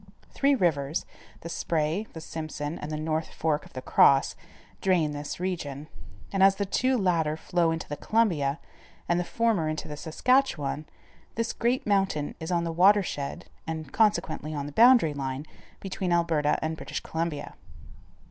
Three rivers, the Spray, the Simpson, and the North Fork of the Cross, drain this region, and as the two latter flow into the Columbia, and the former into the Saskatchewan, this great mountain is on the watershed, and consequently on the boundary line between Alberta and British Columbia.